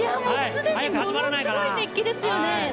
すでにものすごい熱気ですよね。